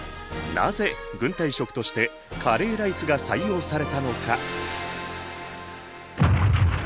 なぜ軍隊食としてカレーライスが採用されたのか？